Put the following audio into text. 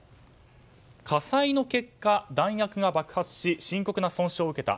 火災の結果、弾薬が爆発し深刻な損傷を受けた。